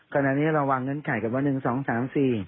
กรณะนี้เราวางเงินข่ายกันว่า๑๒